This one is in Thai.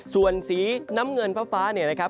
ส่วนสีน้ำเงินฟ้าเนี่ยนะครับ